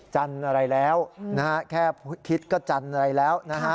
จันอะไรแล้วแค่คิดก็จันอะไรแล้ว